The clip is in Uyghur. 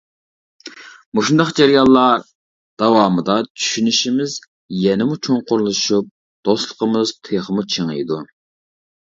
مۇشۇنداق جەريانلار داۋامىدا چۈشىنىشىمىز يەنىمۇ چوڭقۇرلىشىپ، دوستلۇقىمىز تېخىمۇ چىڭىيدۇ.